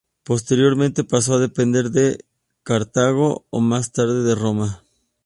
Posteriormente pasó a depender de Cartago y más tarde de Roma.